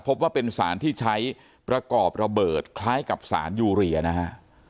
พบว่าเป็นสารที่ใช้ประกอบระเบิดคล้ายกับสารยูเรียนะฮะ